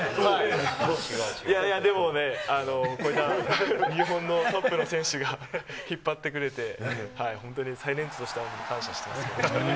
いやいや、でもね、こういった日本のトップの選手が引っ張ってくれて、本当に最年長としては感謝してます。